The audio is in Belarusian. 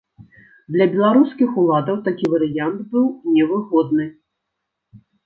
Для беларускіх уладаў такі варыянт быў невыгодны.